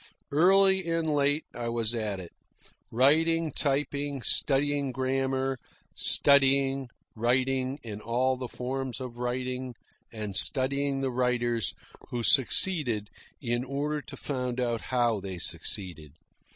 Early and late I was at it writing, typing, studying grammar, studying writing and all the forms of writing, and studying the writers who succeeded in order to find out how they succeeded.